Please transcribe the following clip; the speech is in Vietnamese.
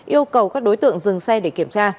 yêu cầu các đối tượng dừng xe để kiểm tra